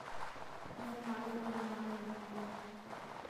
Nanmah le nanmah nan i hmu.